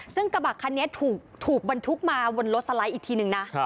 ซึ่งกระบะคันนี้ถูกบรรทุกมาบนรถสไลด์อีกทีนึงนะ